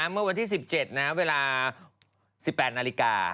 เมื่อวันที่๑๗เวลา๑๘นาฬิกา